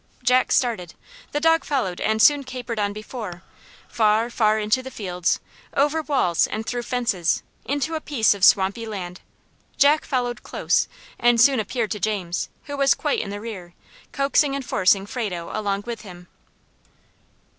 Jack started, the dog followed, and soon capered on before, far, far into the fields, over walls and through fences, into a piece of swampy land. Jack followed close, and soon appeared to James, who was quite in the rear, coaxing and forcing Frado along with him.